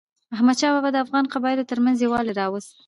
احمدشاه بابا د افغانو قبایلو ترمنځ یووالی راوست.